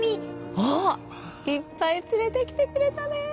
おっ！いっぱい連れてきてくれたね！